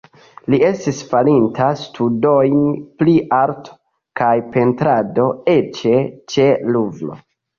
Li estis farinta studojn pri arto kaj pentrado eĉ ĉe Luvro.